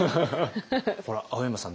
ほら青山さん